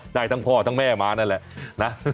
ได้ทั้งพ่อทั้งแม่มานั่นแหละนะ